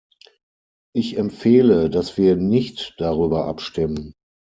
Ich empfehle, dass wir nicht darüber abstimmen.